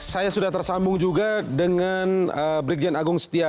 saya sudah tersambung juga dengan brigjen agung setia